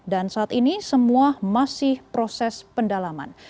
dan saat ini semua masih proses pendalaman